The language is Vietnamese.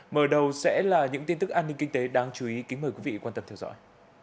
mở đầu sẽ là những tin tức an ninh kinh tế đáng chú ý kính mời quý vị quan tâm theo dõi